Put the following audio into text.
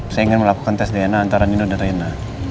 saya ingin melakukan tes dna antara nino dan rena